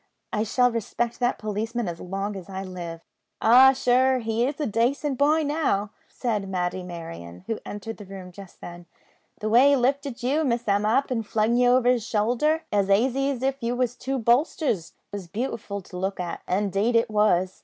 I shall respect that policeman as long as I live." "Ah, sure an' he is a dacent boy now," said Matty Merryon, who entered the room just then; "the way he lifted you an' Miss Emma up an' flung ye over his showlder, as aisy as if ye was two bolsters, was beautiful to look at; indade it was.